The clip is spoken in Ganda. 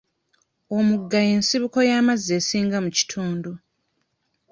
Omugga y'ensibuko y'amazzi esinga mu kitundu.